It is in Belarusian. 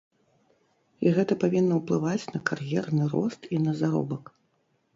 І гэта павінна ўплываць на кар'ерны рост і на заробак.